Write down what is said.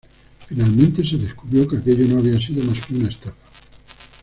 Finalmente se descubrió que aquello no había sido más que una estafa.